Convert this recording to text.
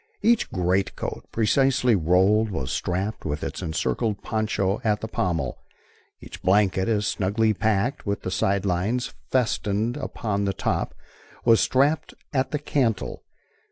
Each greatcoat, precisely rolled, was strapped with its encircling poncho at the pommel. Each blanket, as snugly packed, with the sidelines festooned upon the top, was strapped at the cantle.